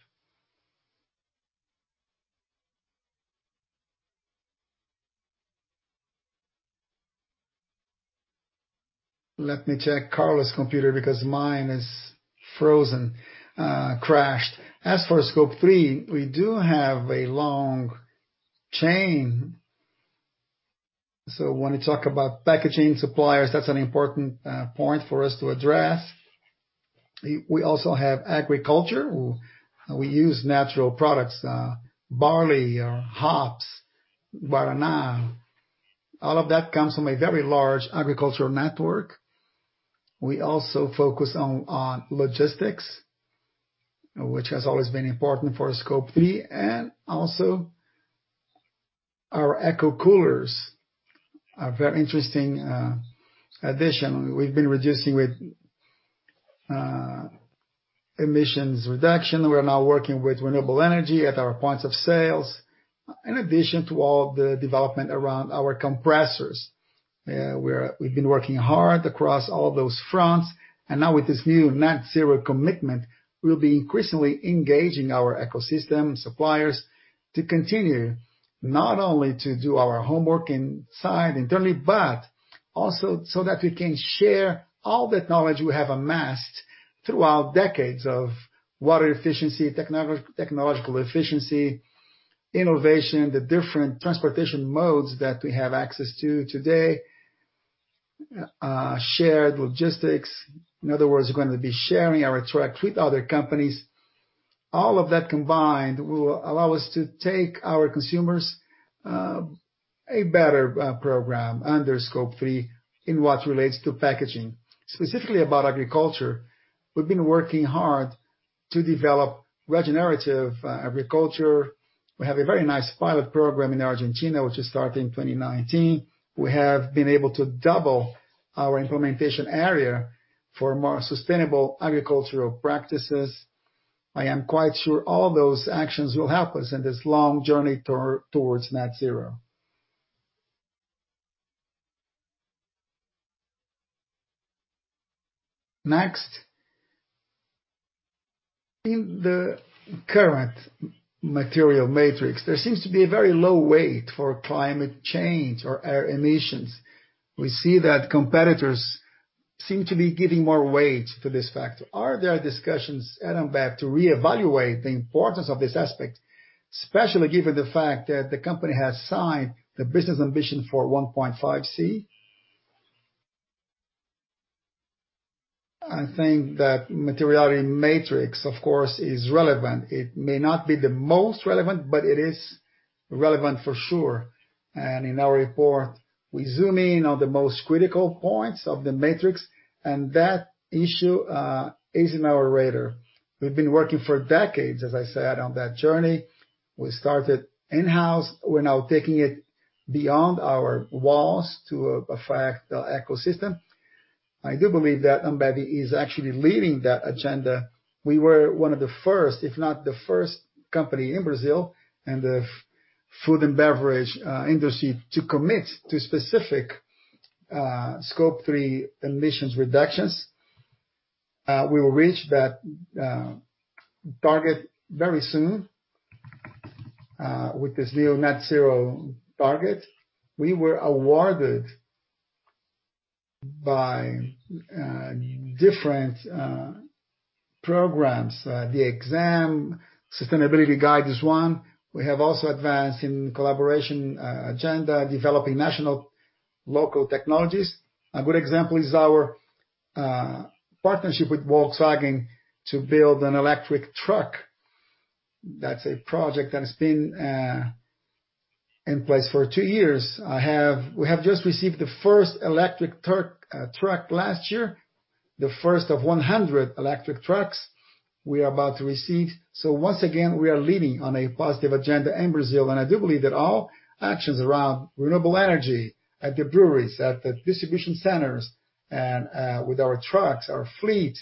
Let me check Carlo's computer because mine is frozen, crashed. As for Scope 3, we do have a long chain. When we talk about packaging suppliers, that's an important point for us to address. We also have agriculture. We use natural products, barley, hops, banana. All of that comes from a very large agricultural network. We also focus on logistics, which has always been important for Scope 3, and also our eco coolers. A very interesting addition. We've been reducing with emissions reduction. We're now working with renewable energy at our points of sales, in addition to all the development around our compressors. Now with this new net-zero commitment, we'll be increasingly engaging our ecosystem suppliers to continue not only to do our homework inside internally, but also so that we can share all the knowledge we have amassed throughout decades of water efficiency, technological efficiency, innovation, the different transportation modes that we have access to today, shared logistics. In other words, we're going to be sharing our truck with other companies. All of that combined will allow us to take our consumers a better program under Scope 3 in what relates to packaging. Specifically about agriculture, we've been working hard to develop regenerative agriculture. We have a very nice pilot program in Argentina, which started in 2019. We have been able to double our implementation area for more sustainable agricultural practices. I am quite sure all those actions will help us in this long journey towards net zero. Next. In the current material matrix, there seems to be a very low weight for climate change or air emissions. We see that competitors seem to be giving more weight to this factor. Are there discussions at Ambev to reevaluate the importance of this aspect, especially given the fact that the company has signed the Business Ambition for 1.5°C? I think that materiality matrix, of course, is relevant. It may not be the most relevant, but it is relevant for sure. In our report, we zoom in on the most critical points of the matrix, and that issue is in our radar. We've been working for decades, as I said, on that journey. We started in-house. We're now taking it beyond our walls to affect the ecosystem. I do believe that Ambev is actually leading that agenda. We were one of the first, if not the first, company in Brazil in the food and beverage industry to commit to specific Scope 3 emissions reductions. We will reach that target very soon with this new net-zero target. We were awarded by different programs. The Exame Sustainability Guide is one. We have also advanced in collaboration agenda, developing national local technologies. A good example is our partnership with Volkswagen to build an electric truck. That's a project that's been in place for two years. We have just received the first electric truck last year, the first of 100 electric trucks we are about to receive. Once again, we are leading on a positive agenda in Brazil, and I do believe that all actions around renewable energy at the breweries, at the distribution centers, and with our trucks, our fleet,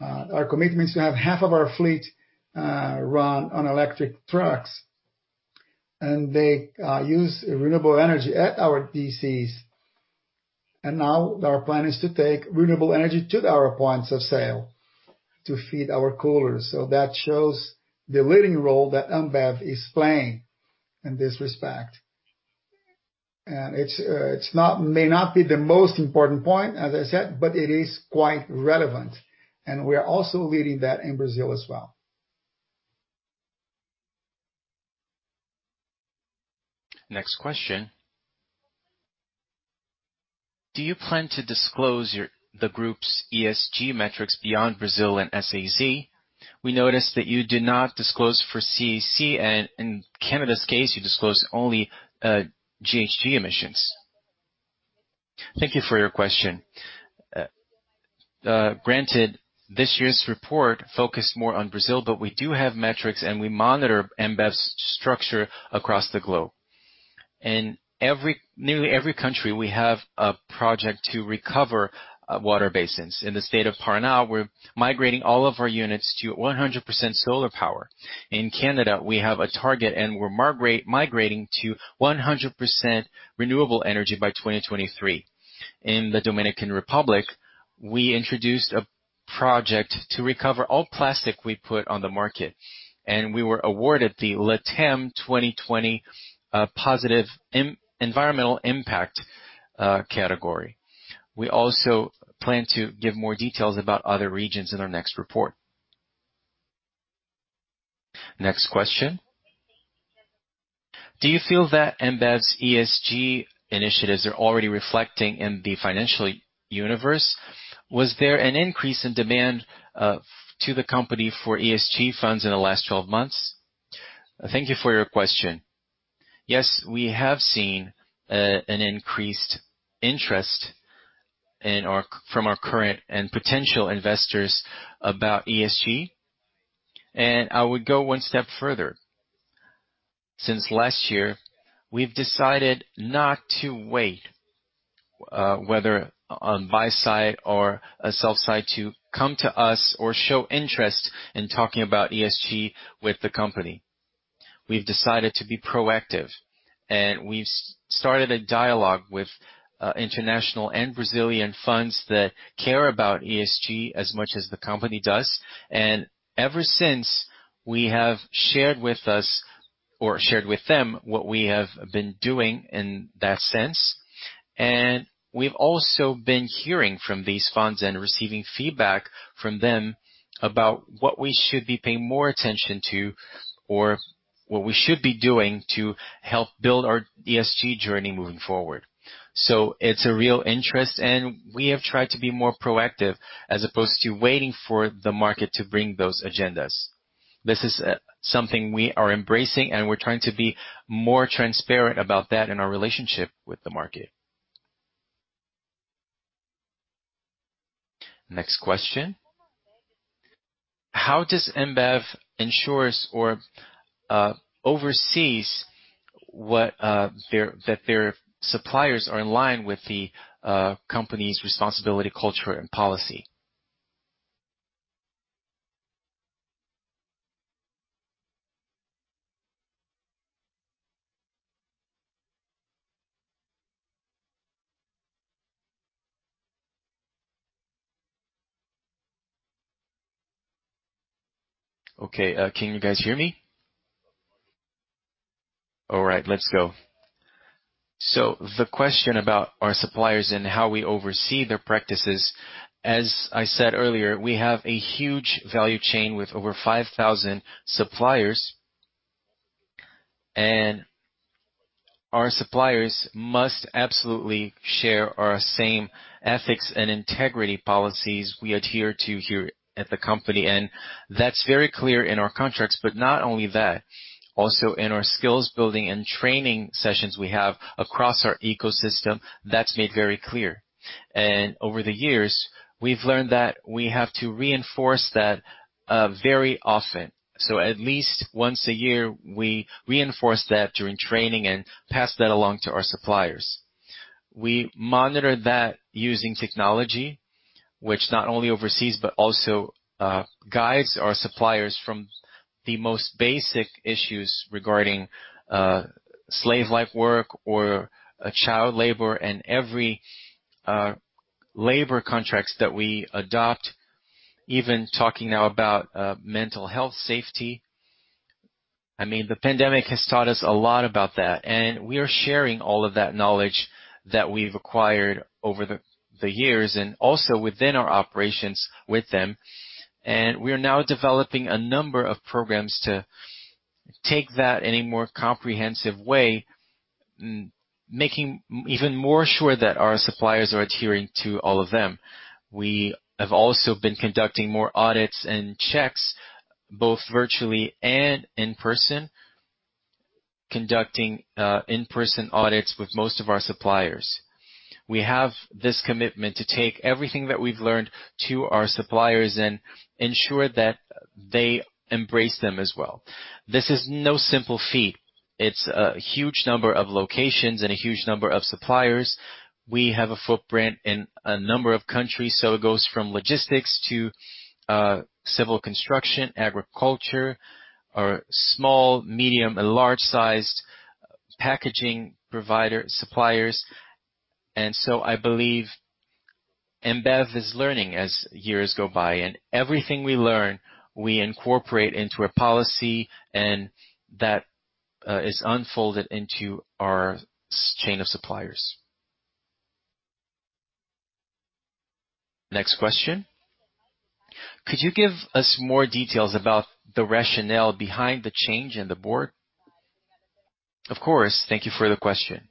our commitment to have half of our fleet run on electric trucks They use renewable energy at our DCs. Now our plan is to take renewable energy to our points of sale to feed our coolers. That shows the leading role that Ambev is playing in this respect. It may not be the most important point, as I said, but it is quite relevant, and we're also leading that in Brazil as well. Next question. Do you plan to disclose the group's ESG metrics beyond Brazil and CAC? We noticed that you did not disclose for CAC, and in Canada's case, you disclosed only GHG emissions. Thank you for your question. Granted, this year's report focused more on Brazil, but we do have metrics, and we monitor Ambev's structure across the globe. In nearly every country, we have a project to recover water basins. In the state of Paraná, we're migrating all of our units to 100% solar power. In Canada, we have a target, we're migrating to 100% renewable energy by 2023. In the Dominican Republic, we introduced a project to recover all plastic we put on the market, we were awarded the LATAM 2020 Positive Environmental Impact category. We also plan to give more details about other regions in our next report. Next question. Do you feel that Ambev's ESG initiatives are already reflecting in the financial universe? Was there an increase in demand to the company for ESG funds in the last 12 months? Thank you for your question. Yes, we have seen an increased interest from our current and potential investors about ESG. I would go one step further. Since last year, we've decided not to wait, whether on buy side or a sell side, to come to us or show interest in talking about ESG with the company. We've decided to be proactive, and we started a dialogue with international and Brazilian funds that care about ESG as much as the company does. Ever since, we have shared with them what we have been doing in that sense. We've also been hearing from these funds and receiving feedback from them about what we should be paying more attention to or what we should be doing to help build our ESG journey moving forward. It's a real interest, and we have tried to be more proactive as opposed to waiting for the market to bring those agendas. This is something we are embracing, and we're trying to be more transparent about that in our relationship with the market. Next question. "How does Ambev ensures or oversees that their suppliers are in line with the company's responsibility, culture, and policy?" Okay, can you guys hear me? All right, let's go. The question about our suppliers and how we oversee their practices, as I said earlier, we have a huge value chain with over 5,000 suppliers. Our suppliers must absolutely share our same ethics and integrity policies we adhere to here at the company. That's very clear in our contracts, but not only that, also in our skills building and training sessions we have across our ecosystem, that's made very clear. Over the years, we've learned that we have to reinforce that very often. At least once a year, we reinforce that during training and pass that along to our suppliers. We monitor that using technology, which not only oversees but also guides our suppliers from the most basic issues regarding slave-like work or child labor and every labor contract that we adopt, even talking now about mental health safety. The pandemic has taught us a lot about that, and we are sharing all of that knowledge that we've acquired over the years and also within our operations with them. We are now developing a number of programs to take that in a more comprehensive way, making even more sure that our suppliers are adhering to all of them. We have also been conducting more audits and checks, both virtually and in person, conducting in-person audits with most of our suppliers. We have this commitment to take everything that we've learned to our suppliers and ensure that they embrace them as well. This is no simple feat. It's a huge number of locations and a huge number of suppliers. We have a footprint in a number of countries, so it goes from logistics to civil construction, agriculture, small, medium, and large sized packaging suppliers. I believe Ambev is learning as years go by, and everything we learn, we incorporate into a policy, and that is unfolded into our chain of suppliers. Next question. "Could you give us more details about the rationale behind the change in the board?" Of course. Thank you for the question.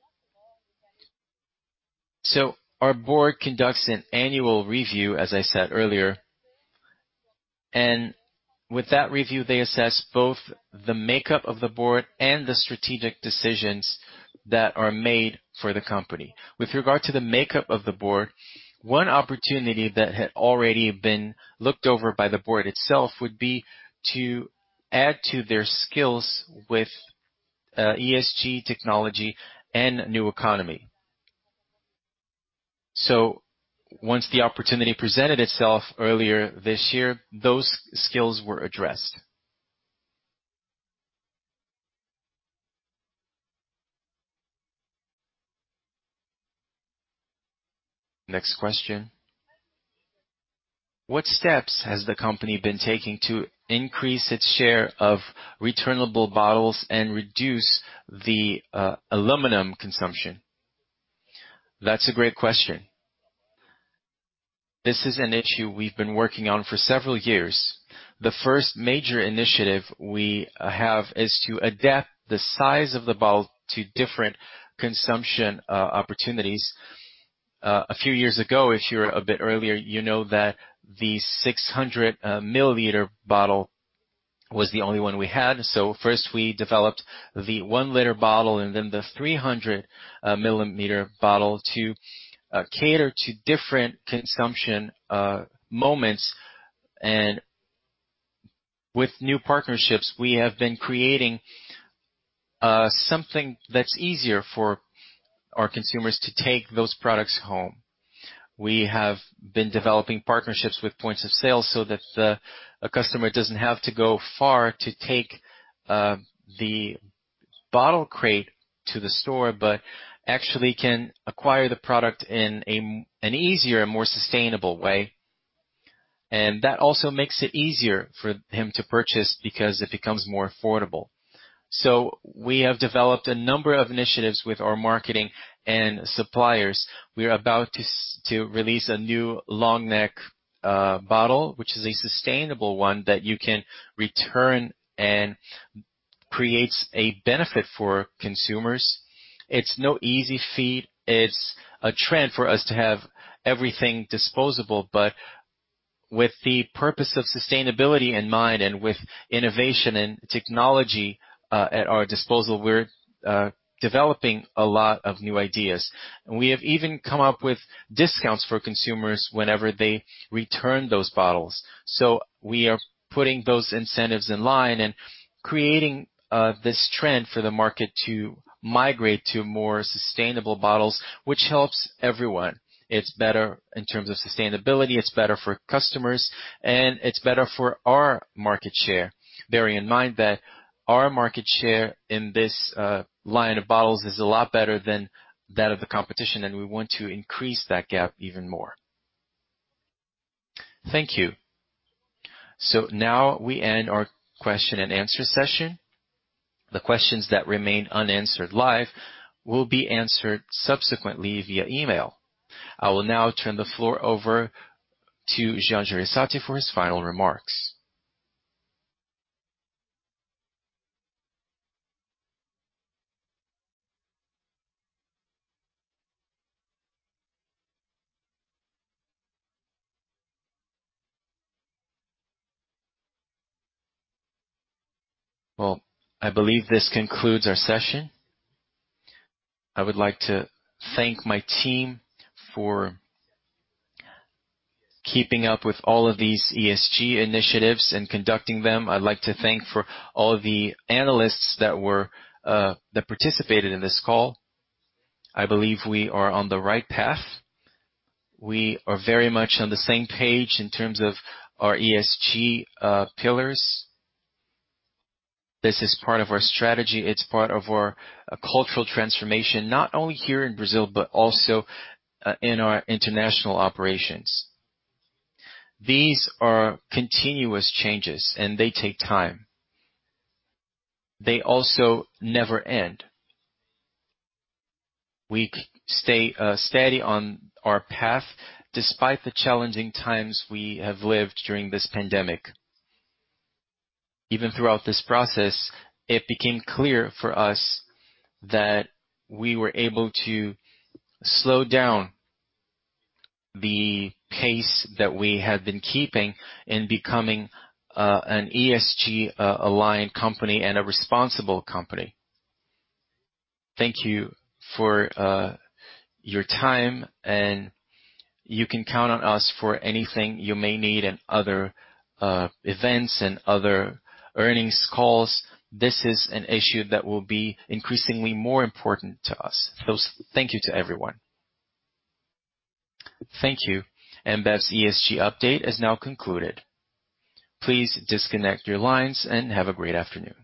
Our board conducts an annual review, as I said earlier, and with that review, they assess both the makeup of the board and the strategic decisions that are made for the company. With regard to the makeup of the board, one opportunity that had already been looked over by the board itself would be to add to their skills with ESG technology and new economy. Once the opportunity presented itself earlier this year, those skills were addressed. Next question. What steps has the company been taking to increase its share of returnable bottles and reduce the aluminum consumption? That's a great question. This is an issue we've been working on for several years. The first major initiative we have is to adapt the size of the bottle to different consumption opportunities. A few years ago, if you're a bit earlier, you know that the 600-milliliter bottle was the only one we had. First we developed the 1-liter bottle and then the 300-milliliter bottle to cater to different consumption moments. With new partnerships, we have been creating something that's easier for our consumers to take those products home. We have been developing partnerships with points of sale so that the customer doesn't have to go far to take the bottle crate to the store, but actually can acquire the product in an easier and more sustainable way. That also makes it easier for him to purchase because it becomes more affordable. We have developed a number of initiatives with our marketing and suppliers. We are about to release a new long neck bottle, which is a sustainable one that you can return and creates a benefit for consumers. It's no easy feat. It's a trend for us to have everything disposable. With the purpose of sustainability in mind and with innovation and technology at our disposal, we're developing a lot of new ideas. We have even come up with discounts for consumers whenever they return those bottles. We are putting those incentives in line and creating this trend for the market to migrate to more sustainable bottles, which helps everyone. It's better in terms of sustainability, it's better for customers, and it's better for our market share, bearing in mind that our market share in this line of bottles is a lot better than that of the competition, and we want to increase that gap even more. Thank you. Now we end our question and answer session. The questions that remain unanswered live will be answered subsequently via email. I will now turn the floor over to Jean Jereissati for his final remarks. Well, I believe this concludes our session. I would like to thank my team for keeping up with all of these ESG initiatives and conducting them. I'd like to thank for all the analysts that participated in this call. I believe we are on the right path. We are very much on the same page in terms of our ESG pillars. This is part of our strategy. It's part of our cultural transformation, not only here in Brazil, but also in our international operations. These are continuous changes, and they take time. They also never end. We stay steady on our path despite the challenging times we have lived during this pandemic. Even throughout this process, it became clear for us that we were able to slow down the pace that we had been keeping in becoming an ESG-aligned company and a responsible company. Thank you for your time, and you can count on us for anything you may need in other events and other earnings calls. This is an issue that will be increasingly more important to us. Thank you to everyone. Thank you. Ambev's ESG update is now concluded. Please disconnect your lines and have a great afternoon.